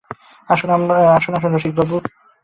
– আসুন আসুন রসিকবাবু, রাত্রে পথে বেরিয়েছেন যে?